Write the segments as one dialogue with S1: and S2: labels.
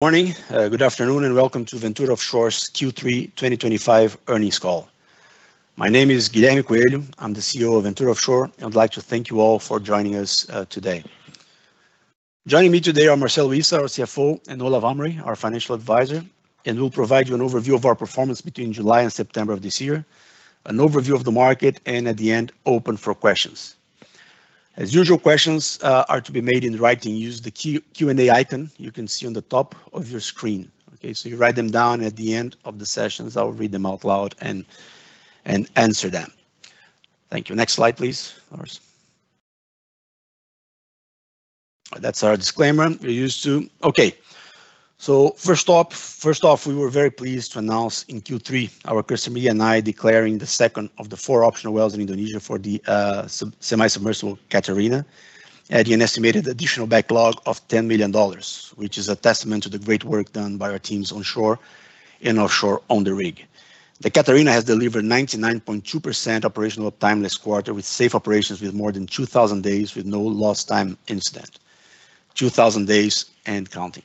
S1: [Morning, good afternoon, and welcome to Ventura Offshore's Q3 2025 earnings call. My name is Guilherme Coelho.] I'm the CEO of Ventura Offshore, and I'd like to thank you all for joining us today. Joining me today are Marcelo Issa, our CFO, and Olav Amri, our financial advisor. We'll provide you an overview of our performance between July and September of this year, an overview of the market, and at the end, open for questions. As usual, questions are to be made in writing. Use the Q&A icon you can see on the top of your screen. Okay, you write them down, and at the end of the sessions, I'll read them out loud and answer them. Thank you. Next slide, please. That's our disclaimer. We're used to. Okay, first off, we were very pleased to announce in Q3 our customer E&I declaring the second of the four optional wells in Indonesia for the semi-submersible Catarina at an estimated additional backlog of $10 million, which is a testament to the great work done by our teams onshore and offshore on the rig. The Catarina has delivered 99.2% operational time last quarter, with safe operations with more than 2,000 days with no lost time incident, 2,000 days and counting.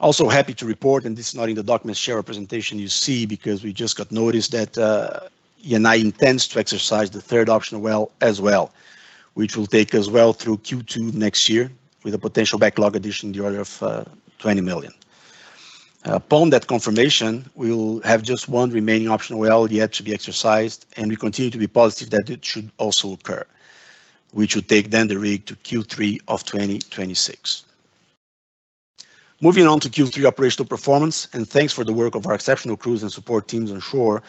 S1: Also, happy to report, and this is not in the documents share representation you see because we just got notice that E&I intends to exercise the third optional well as well, which will take us well through Q2 next year with a potential backlog addition in the order of $20 million. Upon that confirmation, we will have just one remaining optional well yet to be exercised, and we continue to be positive that it should also occur, which will take then the rig to Q3 of 2026. Moving on to Q3 operational performance, and thanks for the work of our exceptional crews and support teams onshore.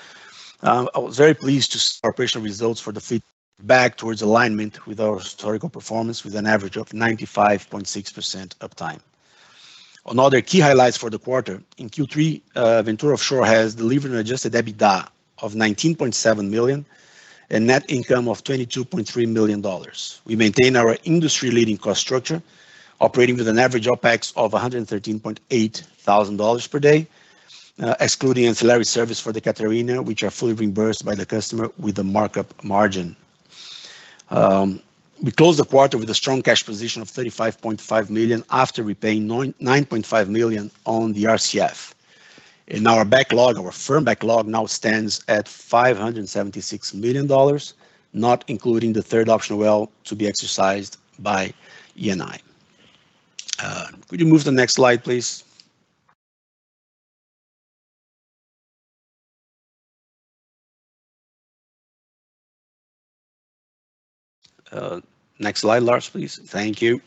S1: I was very pleased to see our operational results for the fleet back towards alignment with our historical performance with an average of 95.6% uptime. Another key highlight for the quarter in Q3, Ventura Offshore has delivered an adjusted EBITDA of $19.7 million and net income of $22.3 million. We maintain our industry-leading cost structure, operating with an average OpEx of $113,800 per day, excluding ancillary service for the Catarina, which are fully reimbursed by the customer with a markup margin. We closed the quarter with a strong cash position of $35.5 million after repaying $9.5 million on the RCF. Our backlog, our firm backlog now stands at $576 million, not including the third optional well to be exercised by E&I. Could you move to the next slide, please? Next slide, Lars, please. Thank you.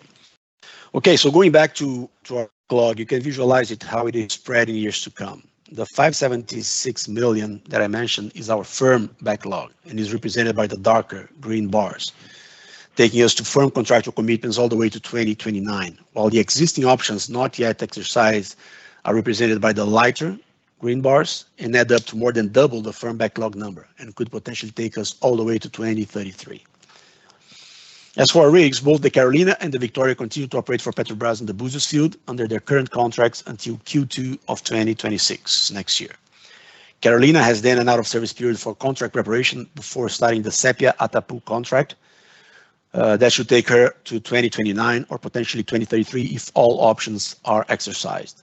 S1: Okay, going back to our backlog, you can visualize how it is spread in years to come. The $576 million that I mentioned is our firm backlog and is represented by the darker green bars, taking us to firm contractual commitments all the way to 2029. The existing options not yet exercised are represented by the lighter green bars and add up to more than double the firm backlog number and could potentially take us all the way to 2033. As for our rigs, both the Catarina and the Victoria continue to operate for Petrobras in the Buzios field under their current contracts until Q2 of 2026 next year. Catarina has then an out-of-service period for contract preparation before starting the Sepia-Atapú contract that should take her to 2029 or potentially 2033 if all options are exercised.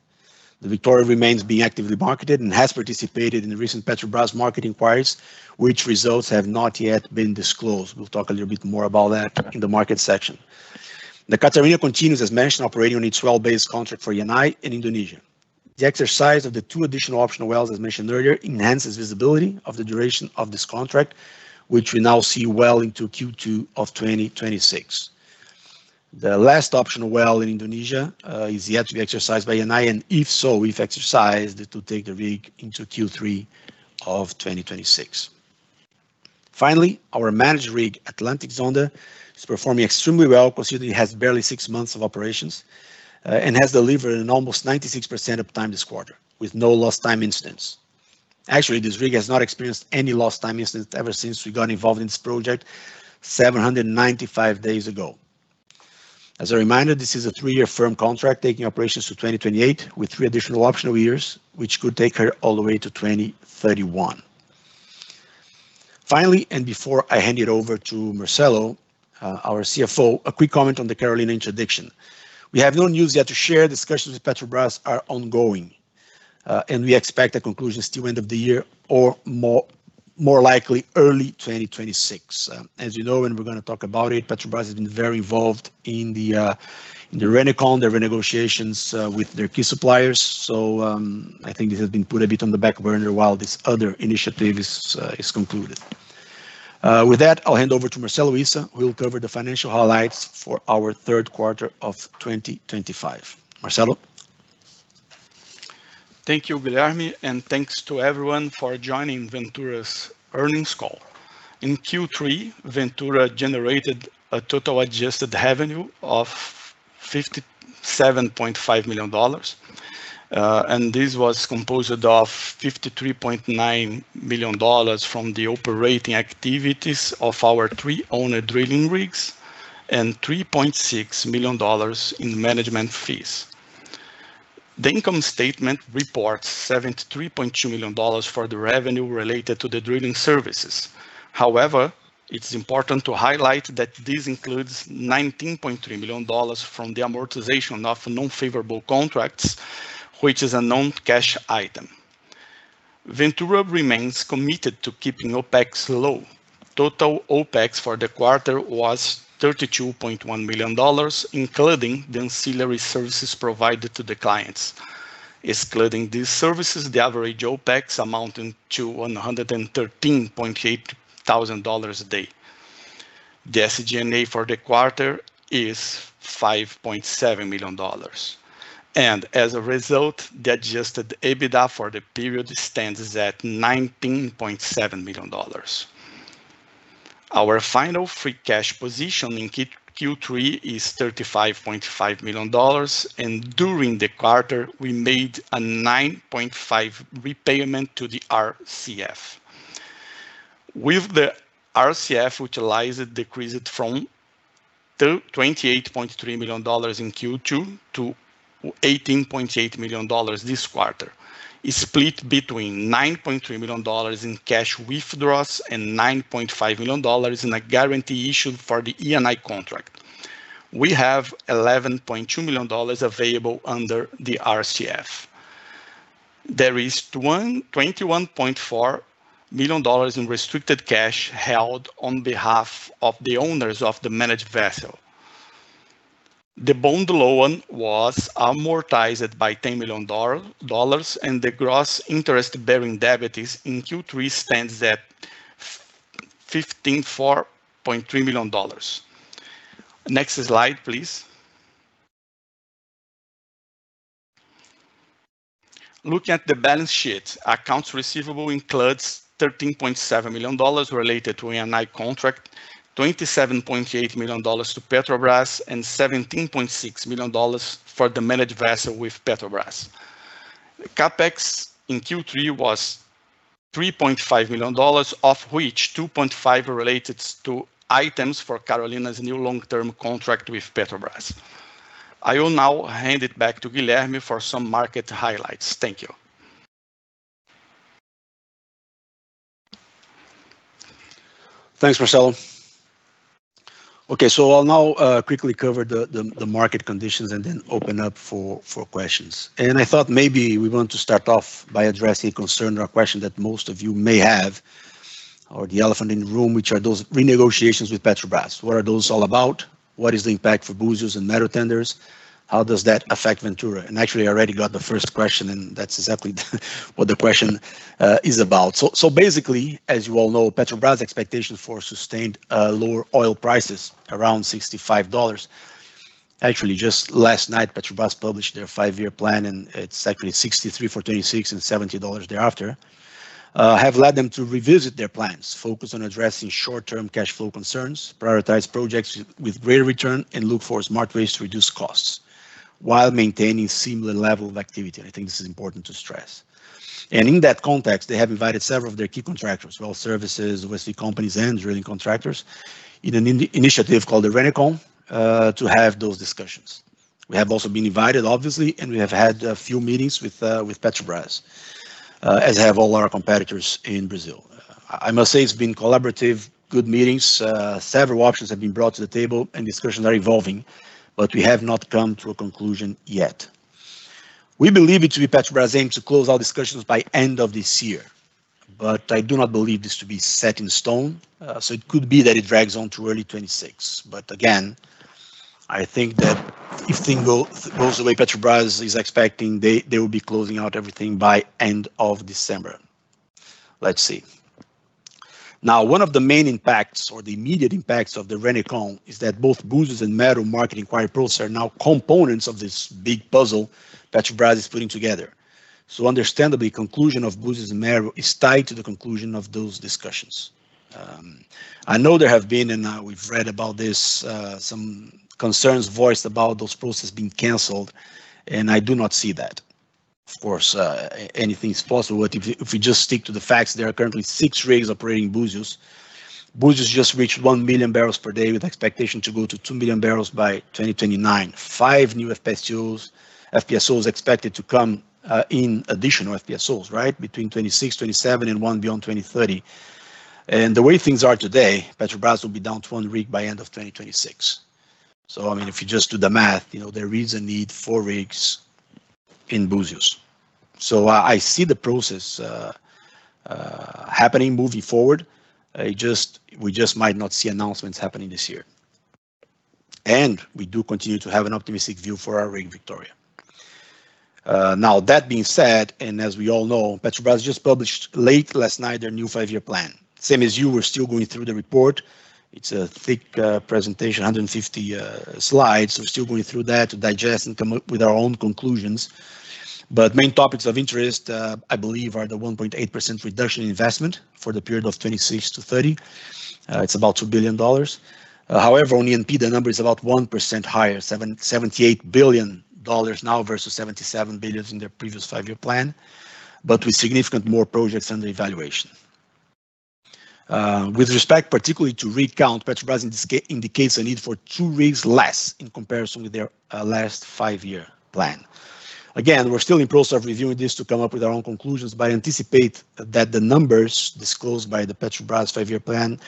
S1: The Victoria remains being actively marketed and has participated in recent Petrobras market inquiries, which results have not yet been disclosed. We will talk a little bit more about that in the market section. The Catarina continues, as mentioned, operating on its well-based contract for E&I in Indonesia. The exercise of the two additional optional wells, as mentioned earlier, enhances visibility of the duration of this contract, which we now see well into Q2 of 2026. The last optional well in Indonesia is yet to be exercised by E&I, and if so, we've exercised it to take the rig into Q3 of 2026. Finally, our managed rig, Atlantic Zonda, is performing extremely well considering it has barely six months of operations and has delivered an almost 96% uptime this quarter with no lost time incidents. Actually, this rig has not experienced any lost time incidents ever since we got involved in this project 795 days ago. As a reminder, this is a three-year firm contract taking operations to 2028 with three additional optional years, which could take her all the way to 2031. Finally, and before I hand it over to Marcelo, our CFO, a quick comment on the Catarina interdiction. We have no news yet to share. Discussions with Petrobras are ongoing, and we expect a conclusion still end of the year or more likely early 2026. As you know, and we're going to talk about it, Petrobras has been very involved in the RENECON, their renegotiations with their key suppliers. I think this has been put a bit on the back burner while this other initiative is concluded. With that, I'll hand over to Marcelo Issa. We'll cover the financial highlights for our third quarter of 2025. Marcelo.
S2: Thank you, Guilherme, and thanks to everyone for joining Ventura's earnings call. In Q3, Ventura generated a total adjusted revenue of $57.5 million, and this was composed of $53.9 million from the operating activities of our three-owner drilling rigs and $3.6 million in management fees. The income statement reports $73.2 million for the revenue related to the drilling services. However, it's important to highlight that this includes $19.3 million from the amortization of non-favorable contracts, which is a non-cash item. Ventura remains committed to keeping OpEx low. Total OpEx for the quarter was $32.1 million, including the ancillary services provided to the clients. Excluding these services, the average OpEx amounted to $113,800 a day. The SG&A for the quarter is $5.7 million, and as a result, the adjusted EBITDA for the period stands at $19.7 million. Our final free cash position in Q3 is $35.5 million, and during the quarter, we made a $9.5 million repayment to the RCF. With the RCF, we utilized the deposit from $28.3 million in Q2 to $18.8 million this quarter, split between $9.3 million in cash withdrawals and $9.5 million in a guarantee issued for the E&I contract. We have $11.2 million available under the RCF. There is $21.4 million in restricted cash held on behalf of the owners of the managed vessel. The bond loan was amortized by $10 million, and the gross interest-bearing debt in Q3 stands at $15.3 million. Next slide, please. Looking at the balance sheet, accounts receivable includes $13.7 million related to E&I contract, $27.8 million to Petrobras, and $17.6 million for the managed vessel with Petrobras. CapEx in Q3 was $3.5 million, of which $2.5 million related to items for Catarina's new long-term contract with Petrobras. I will now hand it back to Guilherme for some market highlights. Thank you.
S1: Thanks, Marcelo. Okay, I'll now quickly cover the market conditions and then open up for questions. I thought maybe we want to start off by addressing a concern or a question that most of you may have, or the elephant in the room, which are those renegotiations with Petrobras. What are those all about? What is the impact for Buzios and NATO tenders? How does that affect Ventura? Actually, I already got the first question, and that's exactly what the question is about. Basically, as you all know, Petrobras' expectations for sustained lower oil prices around $65. Actually, just last night, Petrobras published their five-year plan, and it's actually $63 for 2026 and $70 thereafter. I have led them to revisit their plans, focus on addressing short-term cash flow concerns, prioritize projects with greater return, and look for smart ways to reduce costs while maintaining a similar level of activity. I think this is important to stress. In that context, they have invited several of their key contractors, well services, USV companies, and drilling contractors in an initiative called the RENECON to have those discussions. We have also been invited, obviously, and we have had a few meetings with Petrobras, as have all our competitors in Brazil. I must say it's been collaborative, good meetings. Several options have been brought to the table, and discussions are evolving, but we have not come to a conclusion yet. We believe it to be Petrobras' aim to close all discussions by the end of this year, but I do not believe this to be set in stone. It could be that it drags on to early 2026. Again, I think that if things go the way Petrobras is expecting, they will be closing out everything by the end of December. Let's see. Now, one of the main impacts or the immediate impacts of the RENECON is that both Buzios and Meru market inquiry processes are now components of this big puzzle Petrobras is putting together. Understandably, the conclusion of Buzios and Meru is tied to the conclusion of those discussions. I know there have been, and we've read about this, some concerns voiced about those processes being canceled, and I do not see that. Of course, anything is possible, but if we just stick to the facts, there are currently six rigs operating in Buzios. Buzios just reached 1 million barrels per day with the expectation to go to 2 million barrels by 2029. Five new FPSOs expected to come in, additional FPSOs, right? Between 2026, 2027, and one beyond 2030. The way things are today, Petrobras will be down to one rig by the end of 2026. I mean, if you just do the math, you know there is a need for rigs in Buzios. I see the process happening, moving forward. We just might not see announcements happening this year. We do continue to have an optimistic view for our rig, Victoria. That being said, and as we all know, Petrobras just published late last night their new five-year plan. Same as you, we're still going through the report. It's a thick presentation, 150 slides. We're still going through that to digest and come up with our own conclusions. Main topics of interest, I believe, are the 1.8% reduction in investment for the period of 2026-2030. It's about $2 billion. However, on E&P, the number is about 1% higher, $78 billion now versus $77 billion in their previous five-year plan, with significantly more projects under evaluation. With respect particularly to rig count, Petrobras indicates a need for two rigs less in comparison with their last five-year plan. Again, we're still in process of reviewing this to come up with our own conclusions, but I anticipate that the numbers disclosed by the Petrobras five-year plan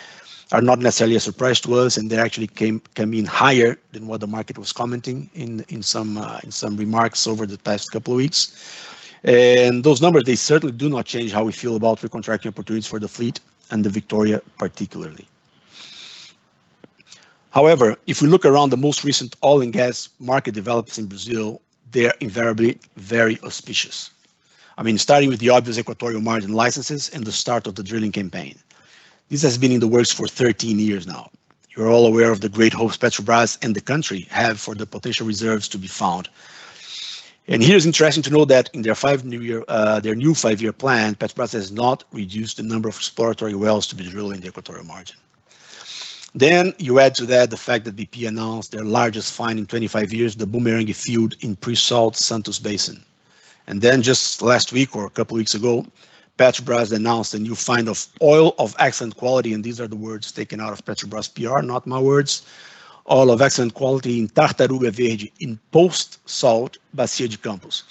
S1: are not necessarily a surprise to us, and they actually came in higher than what the market was commenting in some remarks over the past couple of weeks. Those numbers certainly do not change how we feel about recontracting opportunities for the fleet and the Victoria particularly. However, if we look around the most recent oil and gas market developments in Brazil, they are invariably very auspicious. I mean, starting with the obvious equatorial margin licenses and the start of the drilling campaign. This has been in the works for 13 years now. You're all aware of the great hopes Petrobras and the country have for the potential reserves to be found. Here's interesting to note that in their new five-year plan, Petrobras has not reduced the number of exploratory wells to be drilled in the equatorial margin. You add to that the fact that BP announced their largest find in 25 years, the Boomerang field in pre-salt Santos Basin. Just last week or a couple of weeks ago, Petrobras announced a new find of oil of excellent quality, and these are the words taken out of Petrobras PR, not my words, oil of excellent quality in Tartaruga Verde in post-salt Bacia de Campos.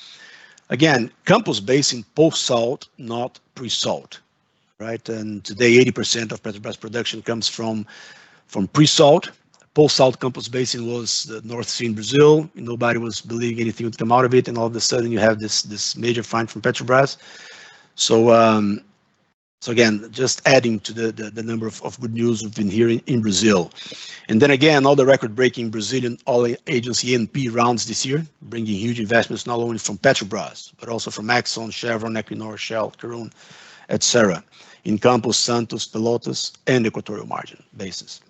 S1: Again, Campos Basin post-salt, not pre-salt, right? Today, 80% of Petrobras production comes from pre-salt. Post-salt Campos Basin was the North Sea in Brazil. Nobody was believing anything would come out of it, and all of a sudden, you have this major find from Petrobras. Again, just adding to the number of good news we've been hearing in Brazil. All the record-breaking Brazilian oil agency E&P rounds this year, bringing huge investments not only from Petrobras, but also from Exxon, Chevron, Equinor, Shell, Carun, etc., in Campos, Santos, Pelotas, and equatorial margin bases.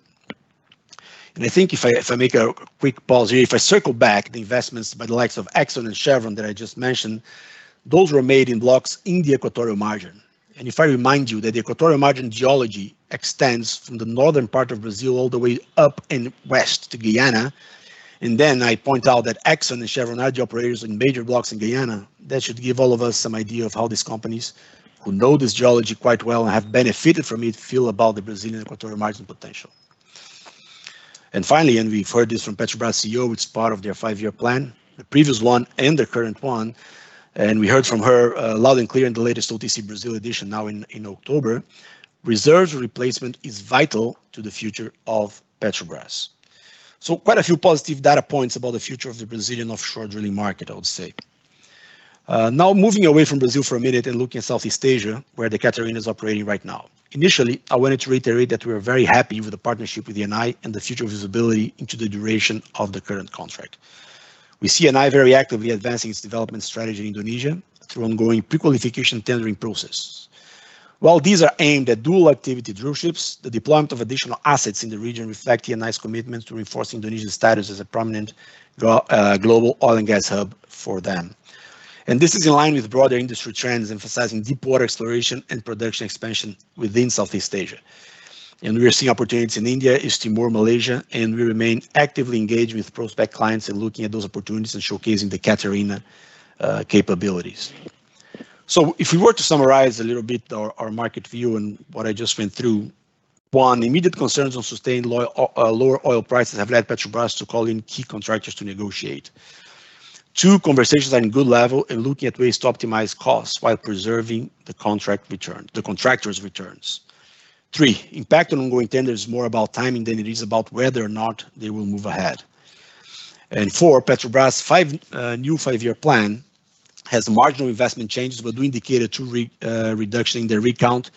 S1: I think if I make a quick pause here, if I circle back the investments by the likes of Exxon and Chevron that I just mentioned, those were made in blocks in the equatorial margin. If I remind you that the equatorial margin geology extends from the northern part of Brazil all the way up and west to Guyana, and then I point out that Exxon and Chevron are the operators in major blocks in Guyana, that should give all of us some idea of how these companies who know this geology quite well and have benefited from it feel about the Brazilian equatorial margin potential. Finally, we've heard this from Petrobras CEO, which is part of their five-year plan, the previous one and the current one, and we heard from her loud and clear in the latest OTC Brazil edition now in October, reserves replacement is vital to the future of Petrobras. Quite a few positive data points about the future of the Brazilian offshore drilling market, I would say. Now, moving away from Brazil for a minute and looking at Southeast Asia, where the Catarina is operating right now. Initially, I wanted to reiterate that we are very happy with the partnership with E&I and the future visibility into the duration of the current contract. We see E&I very actively advancing its development strategy in Indonesia through ongoing pre-qualification tendering processes. While these are aimed at dual activity drill ships, the deployment of additional assets in the region reflects E&I's commitment to reinforcing Indonesia's status as a prominent global oil and gas hub for them. This is in line with broader industry trends, emphasizing deep water exploration and production expansion within Southeast Asia. We are seeing opportunities in India, East Timor, Malaysia, and we remain actively engaged with prospect clients and looking at those opportunities and showcasing the Catarina capabilities. If we were to summarize a little bit our market view and what I just went through, one, immediate concerns on sustained lower oil prices have led Petrobras to call in key contractors to negotiate. Two, conversations are in good level and looking at ways to optimize costs while preserving the contractor's returns. Three, impact on ongoing tenders is more about timing than it is about whether or not they will move ahead. Four, Petrobras' new five-year plan has marginal investment changes, but do indicate a true reduction in their recount,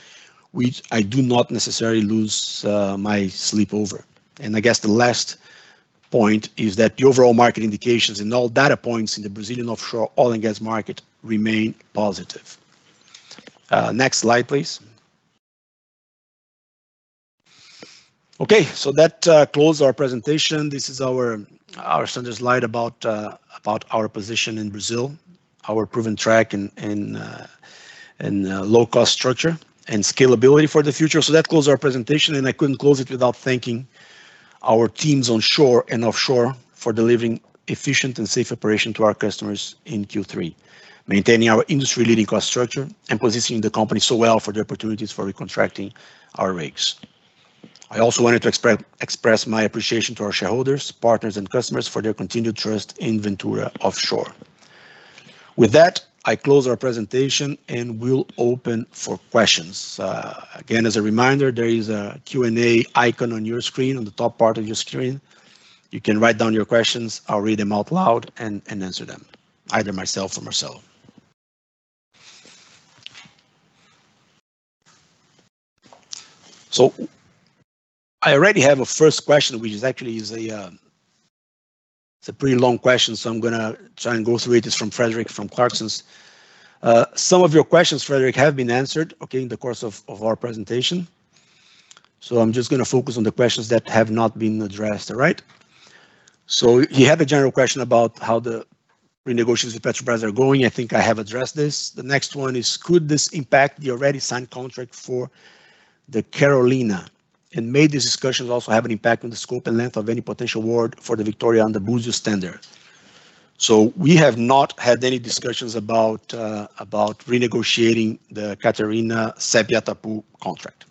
S1: which I do not necessarily lose my sleep over. I guess the last point is that the overall market indications and all data points in the Brazilian offshore oil and gas market remain positive. Next slide, please. Okay, that closed our presentation. This is our standard slide about our position in Brazil, our proven track and low-cost structure and scalability for the future. That closed our presentation, and I could not close it without thanking our teams onshore and offshore for delivering efficient and safe operation to our customers in Q3, maintaining our industry-leading cost structure and positioning the company so well for the opportunities for recontracting our rigs. I also wanted to express my appreciation to our shareholders, partners, and customers for their continued trust in Ventura Offshore. With that, I close our presentation and we will open for questions. Again, as a reminder, there is a Q&A icon on your screen, on the top part of your screen. You can write down your questions. I will read them out loud and answer them, either myself or Marcelo. I already have a first question, which is actually a pretty long question, so I'm going to try and go through it. It's from Frederick from Clarksons. Some of your questions, Frederick, have been answered in the course of our presentation. I'm just going to focus on the questions that have not been addressed, all right? You have a general question about how the renegotiations with Petrobras are going. I think I have addressed this. The next one is, could this impact the already signed contract for the Catarina? And may these discussions also have an impact on the scope and length of any potential award for the Victoria under Buzios tender? We have not had any discussions about renegotiating the Catarina-Sepia-Atapú contract.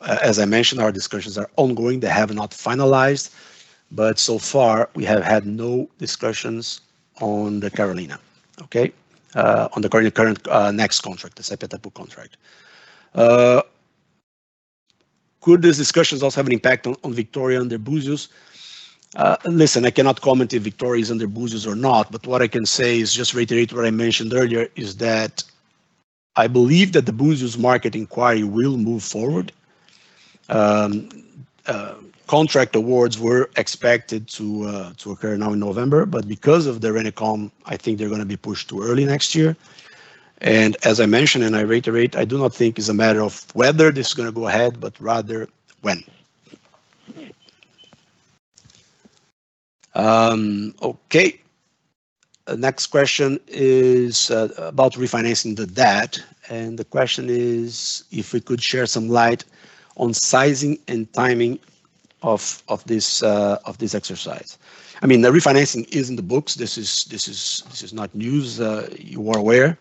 S1: As I mentioned, our discussions are ongoing. They have not finalized, but so far, we have had no discussions on the Carolina, okay, on the current next contract, the Sepia-Atapú contract. Could these discussions also have an impact on Victoria under Buzios? Listen, I cannot comment if Victoria is under Buzios or not, but what I can say is just reiterate what I mentioned earlier, is that I believe that the Buzios market inquiry will move forward. Contract awards were expected to occur now in November, but because of the RENECON, I think they're going to be pushed to early next year. As I mentioned, and I reiterate, I do not think it's a matter of whether this is going to go ahead, but rather when. Okay. The next question is about refinancing the debt. The question is if we could share some light on sizing and timing of this exercise. I mean, the refinancing is in the books. This is not news. You are aware.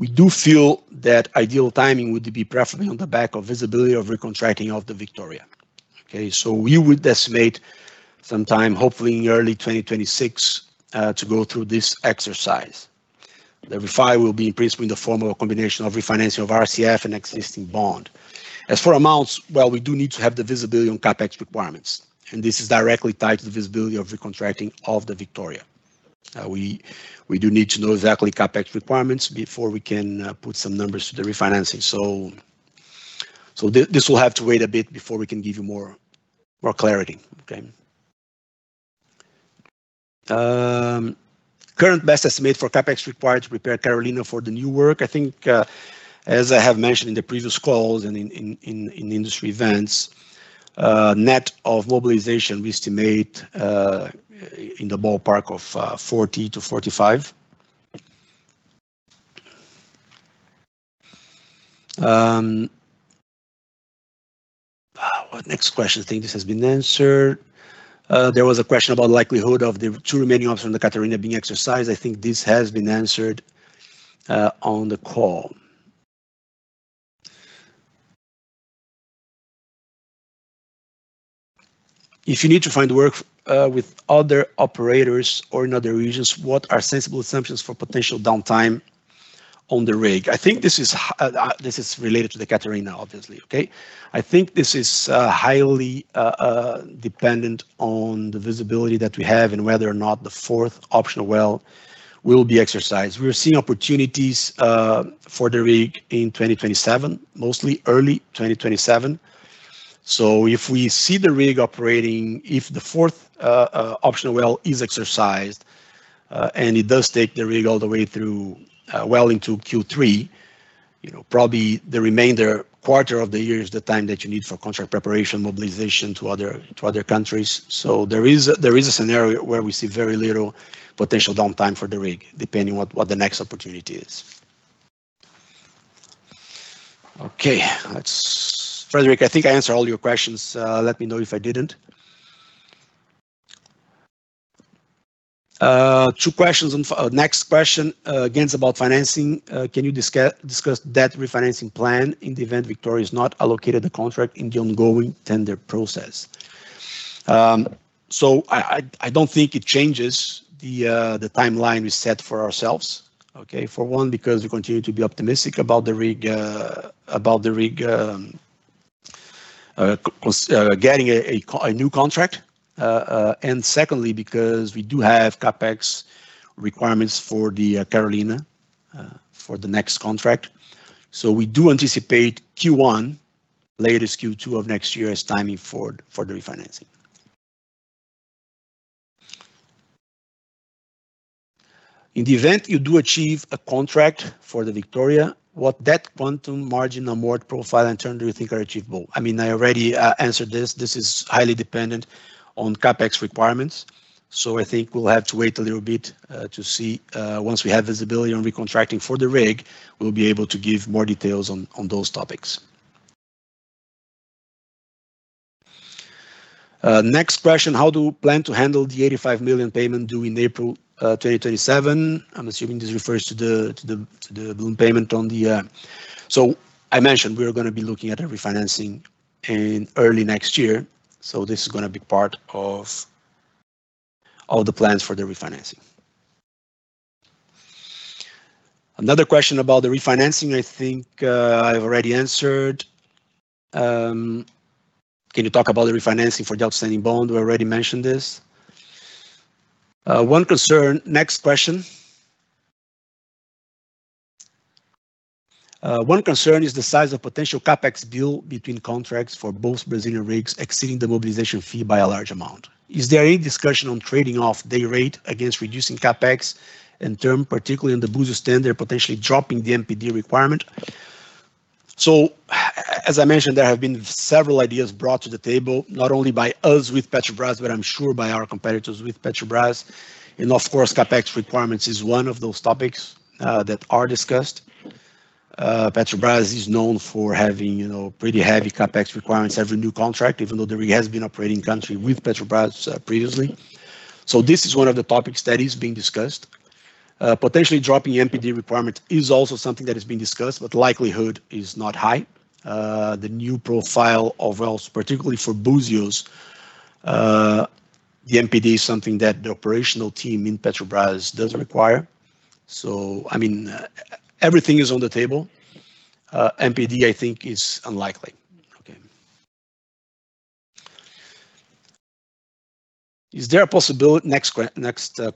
S1: We do feel that ideal timing would be preferably on the back of visibility of recontracting of the Victoria. Okay? We would estimate some time, hopefully in early 2026, to go through this exercise. The refi will be in principle in the form of a combination of refinancing of RCF and existing bond. As for amounts, we do need to have the visibility on CapEx requirements. This is directly tied to the visibility of recontracting of the Victoria. We do need to know exactly CapEx requirements before we can put some numbers to the refinancing. This will have to wait a bit before we can give you more clarity, okay? Current best estimate for CapEx required to prepare Carolina for the new work, I think, as I have mentioned in the previous calls and in industry events, net of mobilization, we estimate in the ballpark of $40 million-$45 million. What next question? I think this has been answered. There was a question about the likelihood of the two remaining options on the Catarina being exercised. I think this has been answered on the call. If you need to find work with other operators or in other regions, what are sensible assumptions for potential downtime on the rig? I think this is related to the Catarina, obviously, okay? I think this is highly dependent on the visibility that we have and whether or not the fourth optional well will be exercised. We're seeing opportunities for the rig in 2027, mostly early 2027. If we see the rig operating, if the fourth optional well is exercised, and it does take the rig all the way through well into Q3, probably the remainder quarter of the year is the time that you need for contract preparation, mobilization to other countries. There is a scenario where we see very little potential downtime for the rig, depending on what the next opportunity is. Okay. Frederick, I think I answered all your questions. Let me know if I did not. Two questions. Next question, again, it is about financing. Can you discuss that refinancing plan in the event Victoria is not allocated the contract in the ongoing tender process? I do not think it changes the timeline we set for ourselves, okay? For one, because we continue to be optimistic about the rig getting a new contract. Secondly, because we do have CapEx requirements for the Carolina for the next contract. We do anticipate Q1, latest Q2 of next year as timing for the refinancing. In the event you do achieve a contract for the Victoria, what debt quantum margin amount profile and term do you think are achievable? I mean, I already answered this. This is highly dependent on CapEx requirements. I think we'll have to wait a little bit to see once we have visibility on recontracting for the rig, we'll be able to give more details on those topics. Next question, how do you plan to handle the $85 million payment due in April 2027? I'm assuming this refers to the loan payment on the so I mentioned we're going to be looking at the refinancing in early next year. This is going to be part of the plans for the refinancing. Another question about the refinancing, I think I've already answered. Can you talk about the refinancing for the outstanding bond? We already mentioned this. One concern, next question. One concern is the size of potential CapEx bill between contracts for both Brazilian rigs exceeding the mobilization fee by a large amount. Is there any discussion on trading off day rate against reducing CapEx and term, particularly in the Buzios tender, potentially dropping the MPD requirement? As I mentioned, there have been several ideas brought to the table, not only by us with Petrobras, but I'm sure by our competitors with Petrobras. Of course, CapEx requirements is one of those topics that are discussed. Petrobras is known for having pretty heavy CapEx requirements every new contract, even though the rig has been operating in country with Petrobras previously. This is one of the topics that is being discussed. Potentially dropping MPD requirement is also something that has been discussed, but likelihood is not high. The new profile of wells, particularly for Buzios, the MPD is something that the operational team in Petrobras does require. I mean, everything is on the table. MPD, I think, is unlikely. Okay. Is there a possibility? Next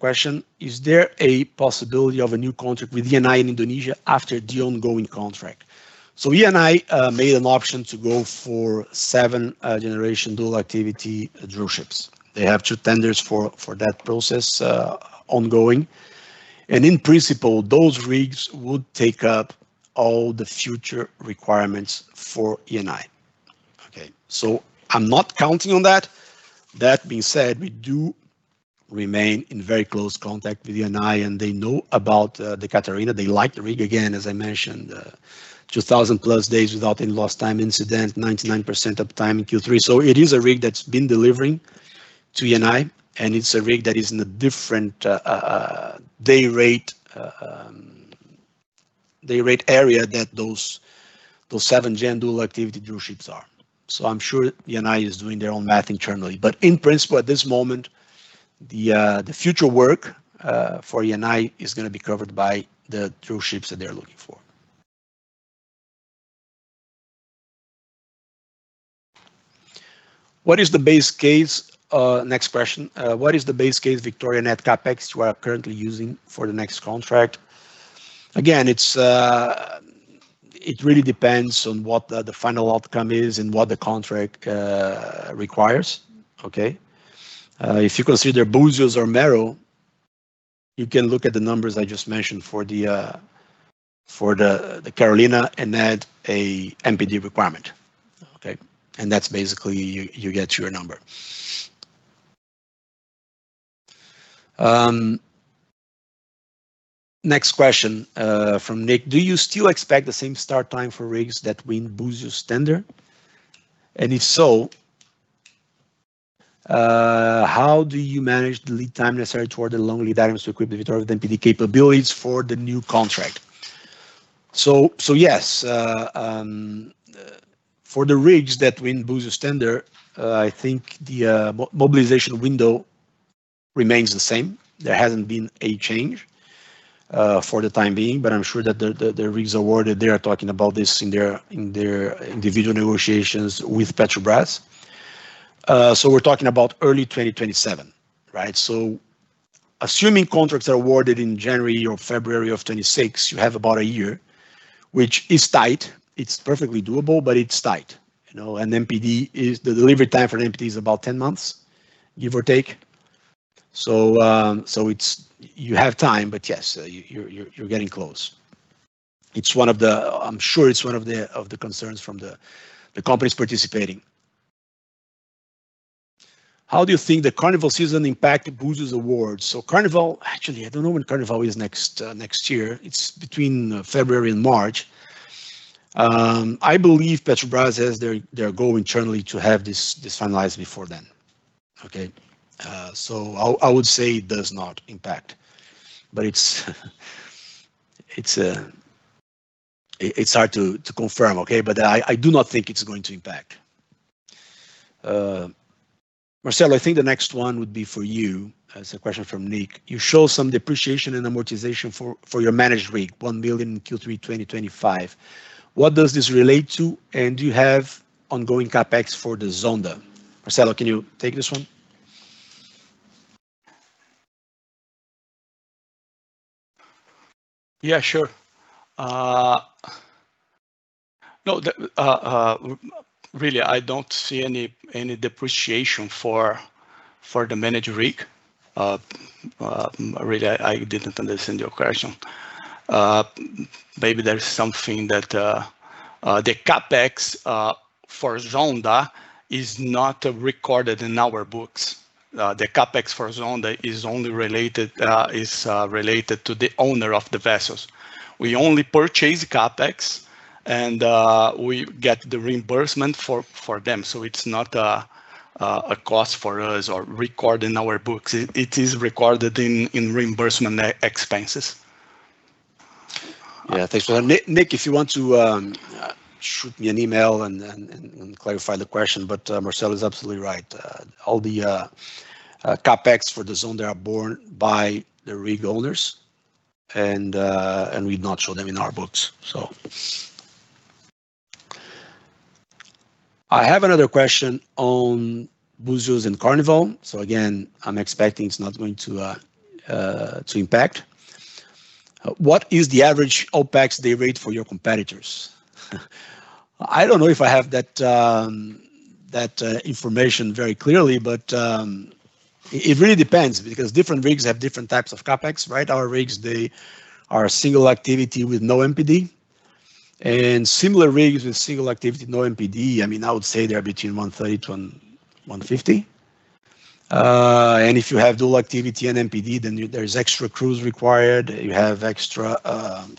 S1: question. Is there a possibility of a new contract with E&I in Indonesia after the ongoing contract? E&I made an option to go for seven-generation dual activity drill ships. They have two tenders for that process ongoing. In principle, those rigs would take up all the future requirements for E&I. Okay? I am not counting on that. That being said, we do remain in very close contact with E&I, and they know about the Catarina. They like the rig, again, as I mentioned, 2,000 + days without any lost time incident, 99% of time in Q3. It is a rig that's been delivering to E&I, and it's a rig that is in a different day rate area that those seven-gen dual activity drill ships are. I'm sure E&I is doing their own math internally. In principle, at this moment, the future work for E&I is going to be covered by the drill ships that they're looking for. What is the base case? Next question. What is the base case Victoria net CapEx you are currently using for the next contract? Again, it really depends on what the final outcome is and what the contract requires. Okay? If you consider Buzios or Merrill, you can look at the numbers I just mentioned for the Catarina and add an MPD requirement. Okay? And that's basically you get your number. Next question from Nick. Do you still expect the same start time for rigs that were in Buzios tender? If you do, how do you manage the lead time necessary toward the long lead items to equip the Victoria with MPD capabilities for the new contract? Yes, for the rigs that were in Buzios tender, I think the mobilization window remains the same. There has not been a change for the time being, but I am sure that the rigs awarded, they are talking about this in their individual negotiations with Petrobras. We are talking about early 2027, right? Assuming contracts are awarded in January or February of 2026, you have about a year, which is tight. It's perfectly doable, but it's tight. The delivery time for the MPD is about 10 months, give or take. You have time, but yes, you're getting close. I'm sure it's one of the concerns from the companies participating. How do you think the carnival season impacted Buzios awards? Carnival, actually, I don't know when carnival is next year. It's between February and March. I believe Petrobras has their goal internally to have this finalized before then. I would say it does not impact, but it's hard to confirm. I do not think it's going to impact. Marcelo, I think the next one would be for you. It's a question from Nick. You show some depreciation and amortization for your managed rig, $1 million in Q3 2025. What does this relate to? Do you have ongoing CapEx for the Zonda? Marcelo, can you take this one?
S2: Yeah, sure. No, really, I do not see any depreciation for the managed rig. Really, I did not understand your question. Maybe there is something that the CapEx for Zonda is not recorded in our books. The CapEx for Zonda is only related, is related to the owner of the vessels. We only purchase CapEx, and we get the reimbursement for them. It is not a cost for us or recorded in our books. It is recorded in reimbursement expenses.
S1: Yeah, thanks for that. Nick, if you want to shoot me an email and clarify the question, but Marcelo is absolutely right. All the CapEx for the Zonda are borne by the rig owners, and we do not show them in our books. I have another question on Buzios and Carnival. Again, I'm expecting it's not going to impact. What is the average OpEx day rate for your competitors? I don't know if I have that information very clearly, but it really depends because different rigs have different types of CapEx, right? Our rigs, they are single activity with no MPD. And similar rigs with single activity, no MPD, I mean, I would say they're between $130,000-$150,000. And if you have dual activity and MPD, then there's extra crews required. You have extra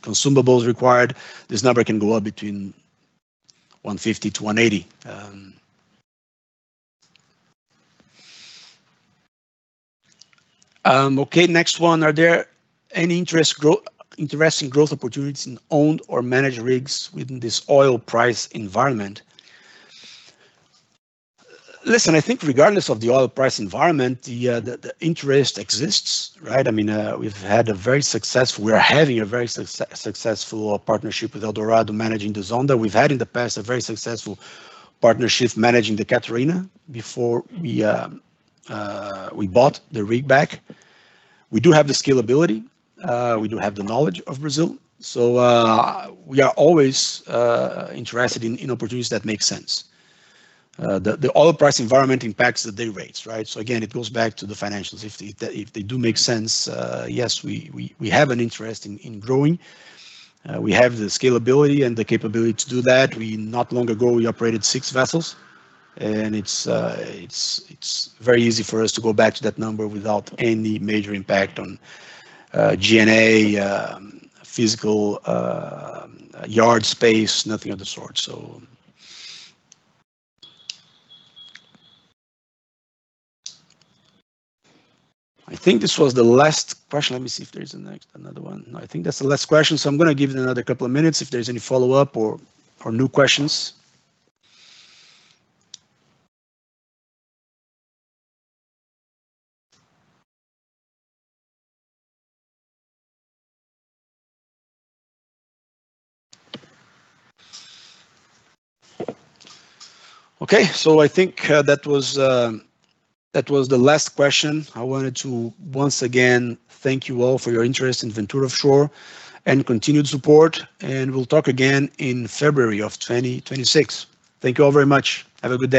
S1: consumables required. This number can go up between $150,000-$180,000. Okay, next one. Are there any interesting growth opportunities in owned or managed rigs within this oil price environment? Listen, I think regardless of the oil price environment, the interest exists, right? I mean, we've had a very successful, we're having a very successful partnership with Eldorado managing the Zonda. We've had in the past a very successful partnership managing the Catarina before we bought the rig back. We do have the scalability. We do have the knowledge of Brazil. We are always interested in opportunities that make sense. The oil price environment impacts the day rates, right? It goes back to the financials. If they do make sense, yes, we have an interest in growing. We have the scalability and the capability to do that. Not long ago, we operated six vessels, and it's very easy for us to go back to that number without any major impact on G&A, physical yard space, nothing of the sort. I think this was the last question. Let me see if there's another one. No, I think that's the last question. I'm going to give it another couple of minutes if there's any follow-up or new questions. Okay. I think that was the last question. I wanted to once again thank you all for your interest in Ventura Offshore and continued support. We'll talk again in February of 2026. Thank you all very much. Have a good day.